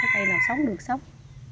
cái cây nào sống được sống